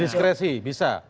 jadi diskresi bisa